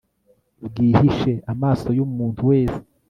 bwihishe amaso y'umuntu wese